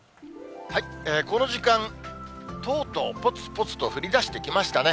この時間、とうとうぽつぽつと降りだしてきましたね。